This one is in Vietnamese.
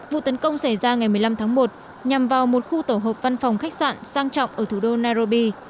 vụ tấn công xảy ra ngày một mươi năm tháng một nhằm vào một khu tổ hợp văn phòng khách sạn sang trọng ở thủ đô nairobi